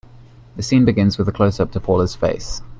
The scene begins with a closeup to Paula's face.